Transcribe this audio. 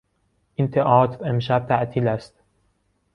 این تئاتر امشب تعطیل است.